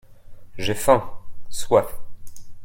J'ai faim/soif.